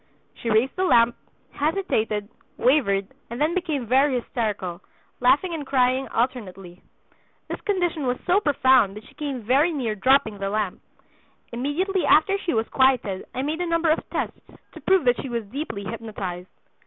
She raised the lamp, hesitated, wavered, and then became very hysterical, laughing and crying alternately. This condition was so profound that she came very near dropping the lamp. Immediately after she was quieted I made a number of tests to prove that she was deeply hypnotized.